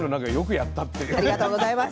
ありがとうございます。